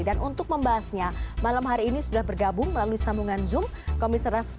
dan untuk membahasnya malam hari ini sudah bergabung melalui sambungan zoom